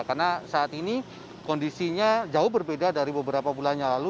karena saat ini kondisinya jauh berbeda dari beberapa bulannya lalu